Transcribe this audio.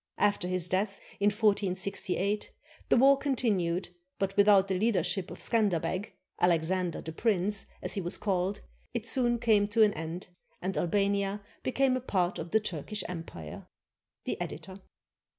After his death, in 1468, the war continued, but without the leadership of Scanderbeg [Alexander the Prince], as he was called, it soon came to an end, and Albania became a part of the Turkish Empire. The Editor.